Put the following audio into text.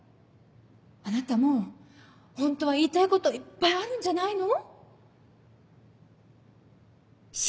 あなたもホントは言いたいこといっぱいあるんじゃないの？